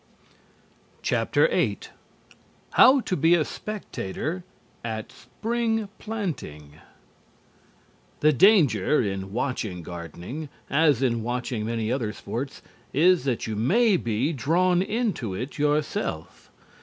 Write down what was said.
VIII HOW TO BE A SPECTATOR AT SPRING PLANTING The danger in watching gardening, as in watching many other sports, is that you may be drawn into it yourself.